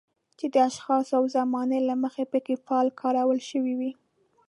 چې د اشخاصو او زمانې له مخې پکې فعل کارول شوی وي.